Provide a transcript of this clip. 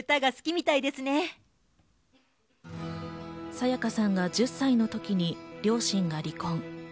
沙也加さんが１０歳の時に両親が離婚。